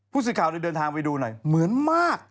สื่อข่าวเลยเดินทางไปดูหน่อยเหมือนมาก